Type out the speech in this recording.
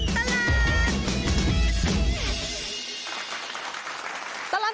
ชั่วตลอดตลาด